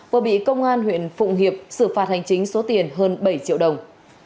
vừa bị công an huyện phụng hiệp xử phạt hành chính số tiền hơn bảy triệu đồng